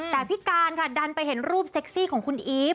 แต่พี่การค่ะดันไปเห็นรูปเซ็กซี่ของคุณอีฟ